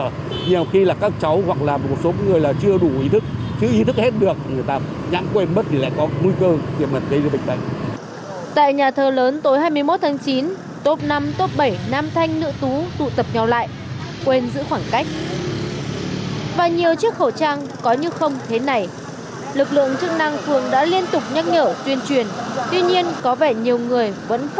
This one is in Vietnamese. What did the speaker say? nhiều khi là các cháu hoặc là một số người chưa đủ ý thức chứ ý thức hết được người ta nhẵn quên mất thì lại có mưu cơ kiểm gặp dây dưa bệnh bệnh